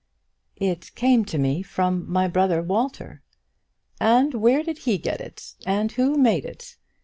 "It came to me from my brother Walter." "And where did he get it? And who made it?